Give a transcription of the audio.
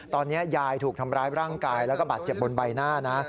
ตอนนี้ยายถูกทำร้ายร่างกายแล้วก็บาดเจ็บบนใบหน้านะ